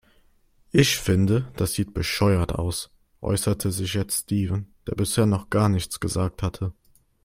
"Ich finde, das sieht bescheuert aus", äußerte sich jetzt Steven, der bisher noch gar nichts gesagt hatte.